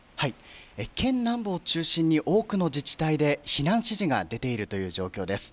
県南部を中心に多くの自治体で避難指示が出ているという状況です。